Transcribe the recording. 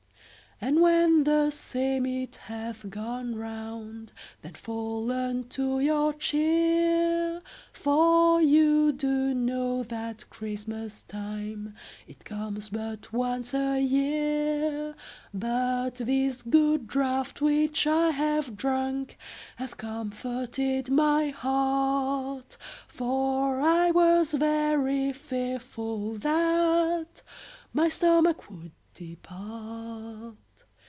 And when the same it hath gone round Then fall unto your cheer, For you do know that Christmas time It comes but once a year. But this good draught which I have drunk Hath comforted my heart, For I was very fearful that My stomach would depart.